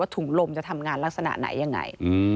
ว่าถุงลมจะทำงานลักษณะไหนอย่างไร